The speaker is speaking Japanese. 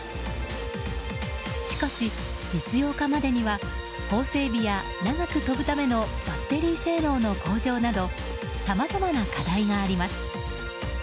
しかし、実用化までには法整備や長く飛ぶためのバッテリー性能の向上などさまざまな課題があります。